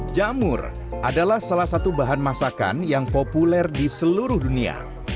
jamur adalah salah satu bahan masakan yang populer di seluruh dunia